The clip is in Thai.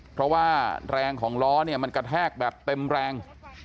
เพราะว่าแรงของล้อเนี่ยมันกระแทกแบบเต็มแรง